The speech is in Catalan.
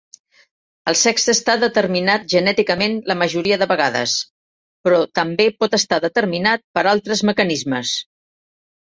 El sexe està determinat genèticament la majoria de vegades, però també pot estar determinat per altres mecanismes.